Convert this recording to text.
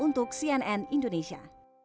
untuk cnn indonesia